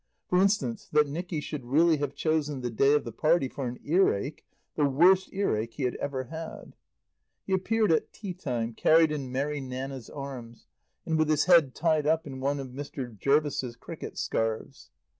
For instance, that Nicky should really have chosen the day of the party for an earache, the worst earache he had ever had. He appeared at tea time, carried in Mary Nanna's arms, and with his head tied up in one of Mr. Jervis's cricket scarves.